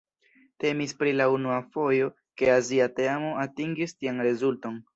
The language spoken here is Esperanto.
Temis pri la unua fojo ke azia teamo atingis tian rezulton.